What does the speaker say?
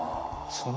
そう。